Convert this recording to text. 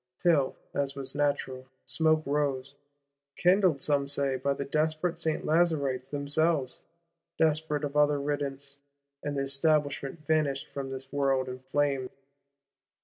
Till, as was natural, smoke rose,—kindled, some say, by the desperate Saint Lazaristes themselves, desperate of other riddance; and the Establishment vanished from this world in flame.